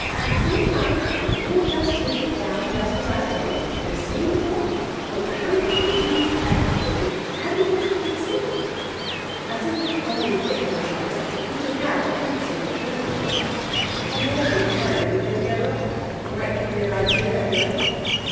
At the same time, if you'll take it down just as I tell it, and send it off, you'll find it will do admirably. Have you got a pencil?' As if dully hypnotised, he took out a pencil and notebook. 'It would be awfully kind of you, Lady Everard. It might give me an idea anyway.'